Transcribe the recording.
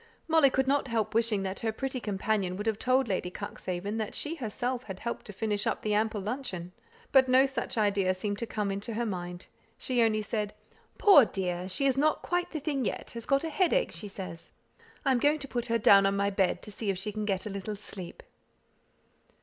Molly could not help wishing that her pretty companion would have told Lady Cuxhaven that she herself had helped to finish up the ample luncheon; but no such idea seemed to come into her mind. She only said, "Poor dear! she is not quite the thing yet; has got a headache, she says. I am going to put her down on my bed, to see if she can get a little sleep."